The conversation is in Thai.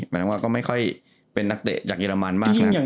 หมายถึงว่าก็ไม่ค่อยเป็นนักเตะจากเยอรมันมากนัก